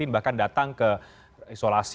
bahkan datang ke isolasi